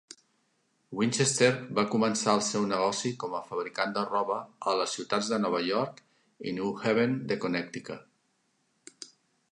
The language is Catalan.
Winchester va començar el seu negoci com a fabricant de roba a les ciutats de Nova York i New Haven de Connecticut.